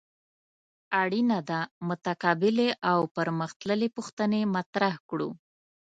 اړینه ده متقابلې او پرمخ تللې پوښتنې مطرح کړو.